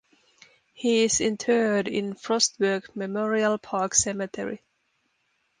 He is interred in Frostburg Memorial Park Cemetery.